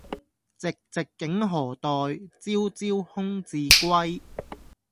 寂寂竟何待，朝朝空自歸。